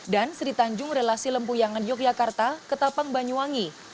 dan seritanjung relasi lempuyangan yogyakarta ketapang banyuwangi